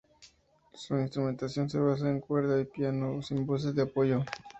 Su instrumentación se basa en cuerda y piano sin voces de apoyo.